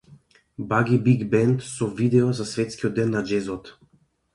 Баги Биг Бенд со видео за Светскиот ден на џезот